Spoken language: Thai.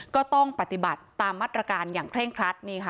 ก็ต้องปฏิบัติตามมาตรการอย่างเคร่งครัด